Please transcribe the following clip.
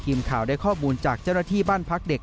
ทีมข่าวได้ข้อมูลจากเจ้าหน้าที่บ้านพักเด็ก